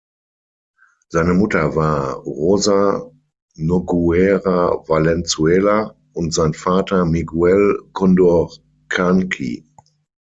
Seine Mutter war "Rosa Noguera Valenzuela" und sein Vater "Miguel Condorcanqui".